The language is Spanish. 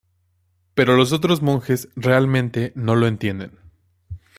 Pero los otros monjes realmente no lo entienden.